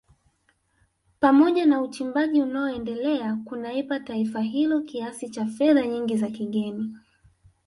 Pamoja na uchimbaji unaoendelea kunaipa taifa hilo kiasi cha fedha nyingi za kigeni